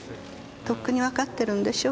とっくにわかってるんでしょ？